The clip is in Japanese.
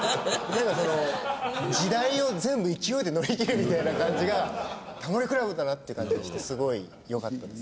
なんかその時代を全部勢いで乗りきるみたいな感じが『タモリ倶楽部』だなっていう感じがしてすごいよかったです。